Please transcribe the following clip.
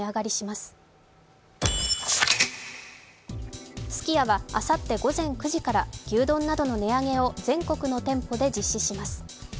すき家はあさって午前９時から牛丼などの値上げを全国の店舗で実施します。